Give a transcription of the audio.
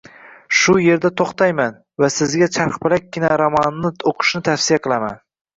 Shu yerda toʻxtayman va sizga Charxpalak kinoromanini oʻqishni tavsiya qilaman